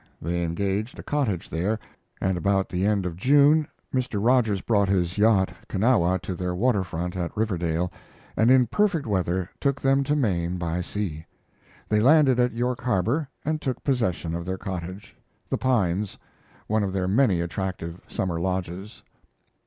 They engaged a cottage, there, and about the end of June Mr. Rogers brought his yacht Kanawha to their water front at Riverdale, and in perfect weather took them to Maine by sea. They landed at York Harbor and took possession of their cottage, The Pines, one of their many attractive summer lodges.